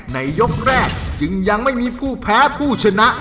ยกแรกจึงยังไม่มีผู้แพ้ผู้ชนะ